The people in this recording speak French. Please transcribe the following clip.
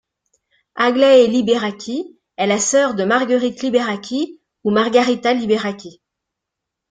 Aglaé Libéraki est la sœur de Marguerite Libéraki ou Margarita Liberaki.